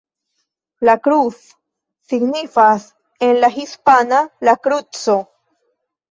La Cruz signifas en la hispana "La Kruco".